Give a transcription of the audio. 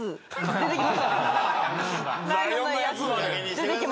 出てきましたよ。